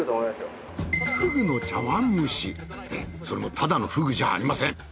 それもただのふぐじゃありません。